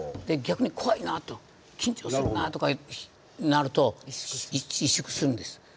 逆に怖いなと緊張するなとかなると萎縮するんです。